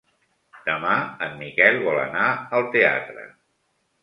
Demà en Miquel vol anar al teatre.